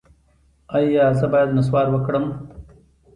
ایا زه باید نسوار وکړم؟